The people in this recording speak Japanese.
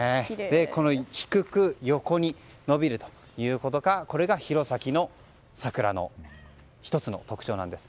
この低く横に伸びるということこれが弘前の桜の１つの特徴なんです。